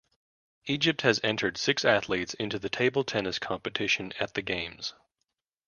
Egypt has entered six athletes into the table tennis competition at the Games.